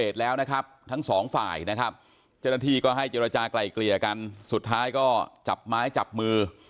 เจ้าหน้าที่ก็ให้เจรจาไกลเกลี่ยกันสุดท้ายก็จับไม้จับมือ